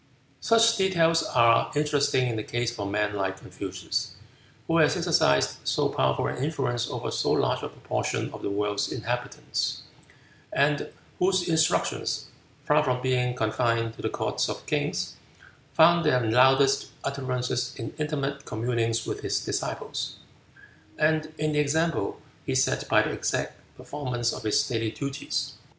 Such details are interesting in the case of a man like Confucius, who has exercised so powerful an influence over so large a proportion of the world's inhabitants, and whose instructions, far from being confined to the courts of kings, found their loudest utterances in intimate communings with his disciples, and in the example he set by the exact performance of his daily duties.